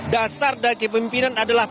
dasar dari pemimpinan adalah